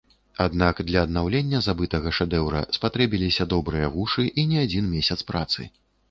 Аднак для аднаўлення забытага шэдэўра спатрэбіліся добрыя вушы і не адзін месяц працы.